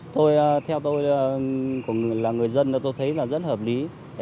tôi theo tôi là người dân tôi thấy rất hợp lý